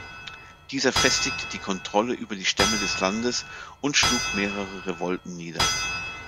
Dieser festigte die Kontrolle über die Stämme des Landes und schlug mehrere Revolten nieder.